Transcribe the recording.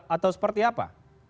atau seperti apa